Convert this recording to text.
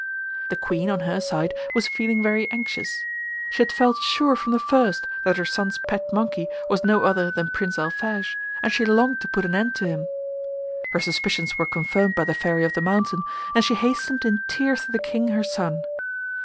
The Queen on her side was feeling very anxious. She had felt sure from the first that her son's pet monkey was no other than Prince Alphege, and she longed to put an end to him. Her suspicions were confirmed by the Fairy of the Mountain, and she hastened in tears to the King, her son.